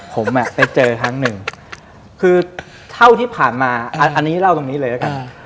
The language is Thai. ผมไปเจอครั้งหนึ่งคือเท่าที่ผ่านมาอันนี้เล่าตรงนี้เลยแล้วกัน